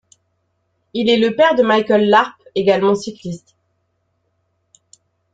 Il est le père de Mickaël Larpe, également cycliste.